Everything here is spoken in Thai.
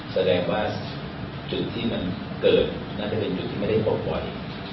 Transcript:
แสดงว่าจุดที่มันเกิดน่าจะเป็นจุดที่ไม่ได้ปลดปล่อย